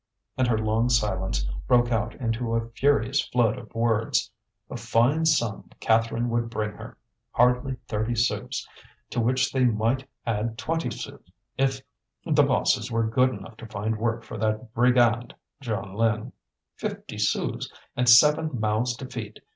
And her long silence broke out into a furious flood of words. A fine sum Catherine would bring her! hardly thirty sous, to which they might add twenty sous if the bosses were good enough to find work for that brigand Jeanlin. Fifty sous, and seven mouths to feed!